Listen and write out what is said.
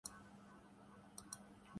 تو کیا کیا جائے؟